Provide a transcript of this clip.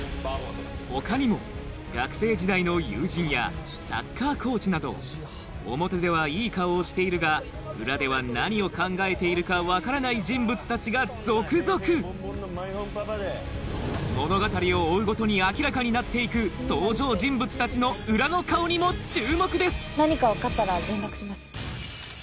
他にもなど表ではいい顔をしているが裏では何を考えているか分からない人物たちが続々物語を追うごとに明らかになって行く登場人物たちの裏の顔にも注目です